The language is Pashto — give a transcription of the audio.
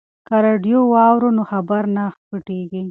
که راډیو واورو نو خبر نه پټیږي.